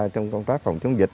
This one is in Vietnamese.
trong công tác phòng chống dịch